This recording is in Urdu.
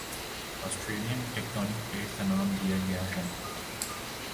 آسٹریلین ٹیکٹونک پلیٹ کا نام دیا گیا ہی